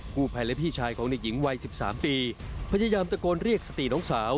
ผู้ภัยและพี่ชายของเด็กหญิงวัย๑๓ปีพยายามตะโกนเรียกสติน้องสาว